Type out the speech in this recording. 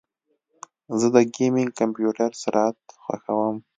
زه د ګیمنګ کمپیوټر سرعت خوښوم.